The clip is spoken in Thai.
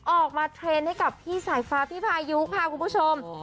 ออกมาเทรนด์ให้กับพี่สายฟ้าพี่พายุค่ะคุณผู้ชม